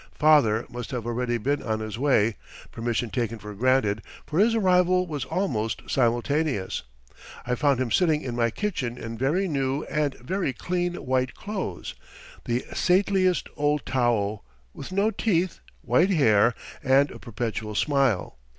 Father must have already been on his way, permission taken for granted, for his arrival was almost simultaneous. I found him sitting in my kitchen in very new and very clean white clothes, the saintliest old tao, with no teeth, white hair, and a perpetual smile.